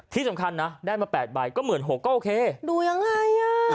ที่สำคัญนะได้มาแปดใบก็๑๖๐๐ก็โอเคดูยังไงอ่ะ